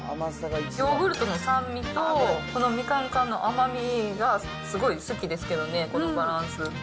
ヨーグルトの酸味と、このみかん缶の甘みがすごい好きですけどね、このバランス。